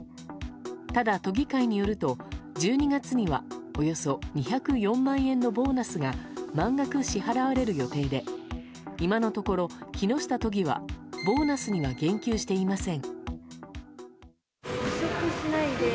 ただ、都議会によると１２月にはおよそ２０４万円のボーナスが満額支払われる予定で今のところ、木下都議はボーナスには言及していません。